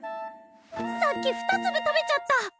さっき２粒食べちゃった。